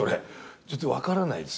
ちょっと分からないですね。